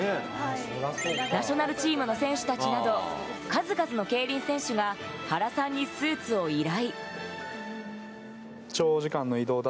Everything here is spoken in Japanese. ナショナルチームの選手たちなど、数々の競輪選手が原さんにスーツを依頼。